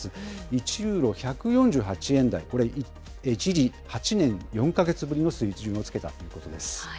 １ユーロ１４８円台、これ、一時８年４か月ぶりの水準をつけたということです。